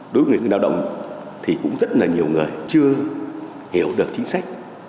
đối với người dân nợ động thì cũng rất là nhiều người chưa hiểu được chính sách